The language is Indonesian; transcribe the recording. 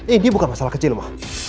ini bukan masalah kecil mah